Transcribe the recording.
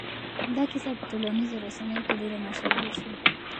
دا کيسه په ټولنيزو رسنيو کې ډېره مشهوره شوه.